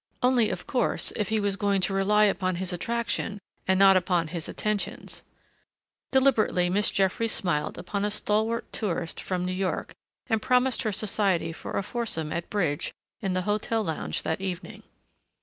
Only of course, if he was going to rely upon his attraction and not upon his attentions Deliberately Miss Jeffries smiled upon a stalwart tourist from New York and promised her society for a foursome at bridge in the hotel lounge that evening.